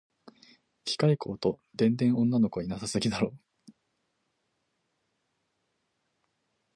機械工と電電女の子いなさすぎだろ